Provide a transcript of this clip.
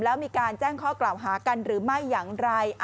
แล้วมีการแจ้งข้อกล่าวหากันหรือไม่อย่างไร